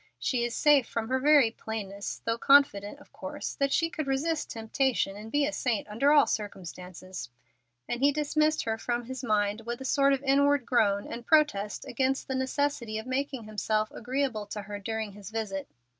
She is safe from her very plainness, though confident, of course, that she could resist temptation and be a saint under all circumstances;" and he dismissed her from his mind with a sort of inward groan and protest against the necessity of making himself agreeable to her during his visit.